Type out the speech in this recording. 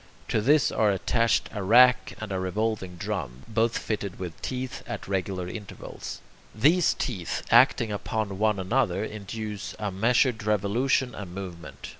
To this are attached a rack and a revolving drum, both fitted with teeth at regular intervals. These teeth, acting upon one another, induce a measured revolution and movement.